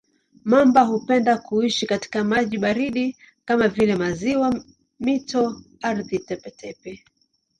Mamba hupenda kuishi katika maji baridi kama vile maziwa, mito, ardhi tepe-tepe.